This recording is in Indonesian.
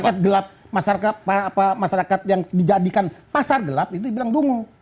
kedunguan masyarakat itu masyarakat gelap masyarakat yang dijadikan pasar gelap itu dibilang dungu